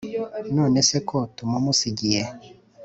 none se ko tumumusigiye